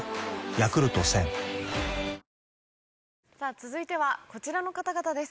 続いてはこちらの方々です。